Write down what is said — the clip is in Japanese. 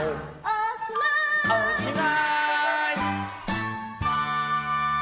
「おしまい」